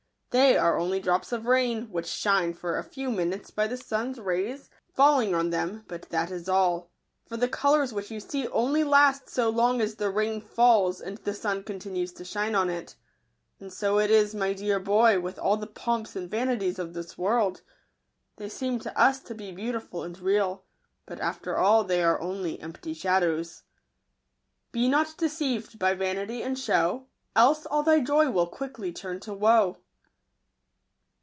They are only drops of rain, which shine for a few minutes by the sun's rays falling on | 48 Digitized by Google them, but that is all; for the colours which you see only last so long as the rain falls and the sun continues to shine on it. And so it is, my dear boy, with all the pomps and vanities of this world :— they seem to us to be beau tiful and real, but, after all, they are only empty shadows," Be not deceived by vanity and show, Else all thy joy will quickly turn to woe.